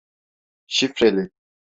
Şifreli.